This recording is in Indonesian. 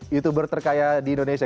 youtuber terkaya di indonesia